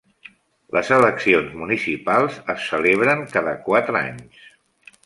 Les eleccions municipals es celebren cada quatre anys.